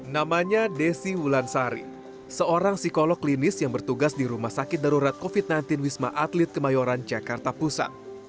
namanya desi wulansari seorang psikolog klinis yang bertugas di rumah sakit darurat covid sembilan belas wisma atlet kemayoran jakarta pusat